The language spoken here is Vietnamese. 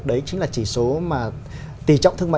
đấy chính là chỉ số mà tỷ trọng thương mại